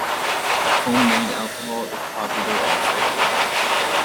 Homemade alcohol is popular also.